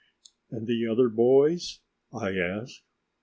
"And the other boys?" I asked.